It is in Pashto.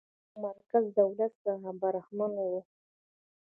چین له یوه مرکزي دولت څخه برخمن و.